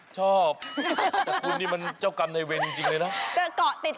ชอบแต่คุณนี่มันเจ้ากรรมในเวนจริงเลยล่ะจะเกาะติด